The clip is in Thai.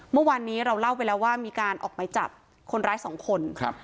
เมื่อวานนี้เราเล่าไปแล้วว่ามีการออกไหมจับคนร้ายสองคนครับ